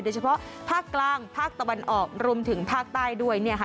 เฉพาะภาคกลางภาคตะวันออกรวมถึงภาคใต้ด้วยเนี่ยค่ะ